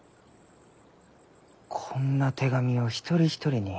こんな手紙を一人一人に。